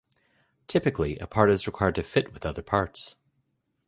Typically, a part is required to fit with other parts.